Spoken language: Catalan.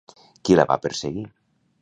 Qui la va perseguir?